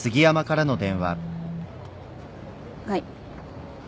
はい。